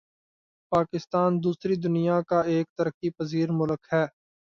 پاکستان دوسری دنیا کا ایک ترقی پزیر ملک ہے